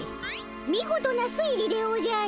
見事な推理でおじゃる。